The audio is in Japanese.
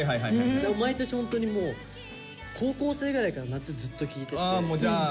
毎年ホントにもう高校生ぐらいから夏ずっと聴いてて。